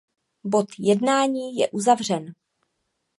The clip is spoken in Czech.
Bod jednání je uzavřen.